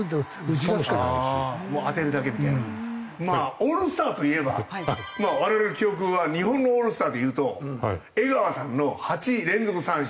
オールスターといえば我々の記憶は日本のオールスターでいうと江川さんの８連続三振。